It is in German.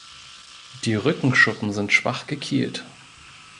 Die Rückenschuppen sind schwach gekielt.